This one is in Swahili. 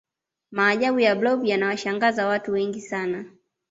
maajabu ya blob yanawashangaza watu wengi sana